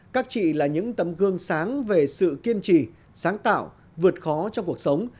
các chị là những tấm gương sáng về sự kiên trì sáng tạo vượt khó trong cuộc sống